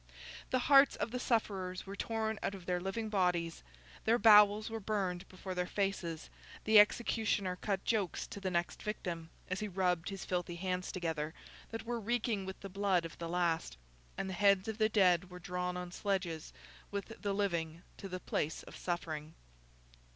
The hearts of the sufferers were torn out of their living bodies; their bowels were burned before their faces; the executioner cut jokes to the next victim, as he rubbed his filthy hands together, that were reeking with the blood of the last; and the heads of the dead were drawn on sledges with the living to the place of suffering.